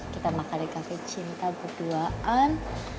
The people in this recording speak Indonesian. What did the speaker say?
kita makan di kafe cinta berduaan